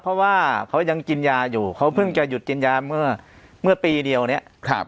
เพราะว่าเขายังกินยาอยู่เขาเพิ่งจะหยุดกินยาเมื่อปีเดียวเนี่ย